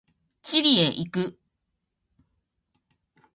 チリへ行く。